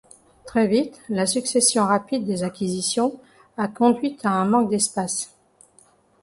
Très vite, la succession rapide des acquisitions a conduit à un manque d'espace.